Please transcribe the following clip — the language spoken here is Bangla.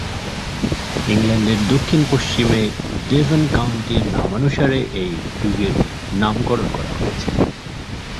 ইংল্যান্ডের দক্ষিণ-পশ্চিমে ডেভন কাউন্টির নামানুসারে এই যুগের নামকরণ করা হয়েছে।